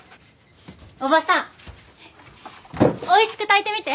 叔母さんおいしく炊いてみて。